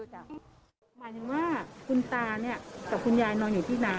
หมายถึงว่าคุณตากับคุณยายนอนอยู่ที่น้ำ